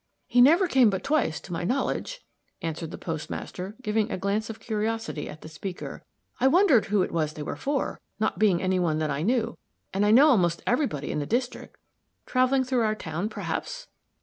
"He never came but twice, to my knowledge," answered the postmaster, giving a glance of curiosity at the speaker. "I wondered who it was they were for not being any one that I knew and I know mostly everybody in the district. Traveling through our town, perhaps?"